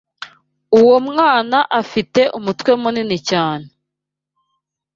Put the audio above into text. Uwo mwana afite umutwe munini cyane.